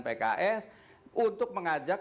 pks untuk mengajak